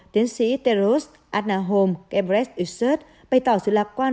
tiến sĩ teros adnahom kebret ussert bày tỏ sự lạc quan